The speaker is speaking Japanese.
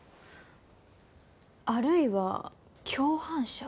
あるいは共犯者？